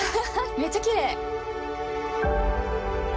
めっちゃきれい！